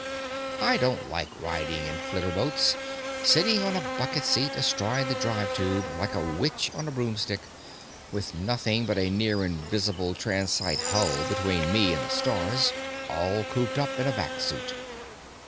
I don't like riding in flitterboats, sitting on a bucket seat, astride the drive tube, like a witch on a broomstick, with nothing but a near invisible transite hull between me and the stars, all cooped up in a vac suit.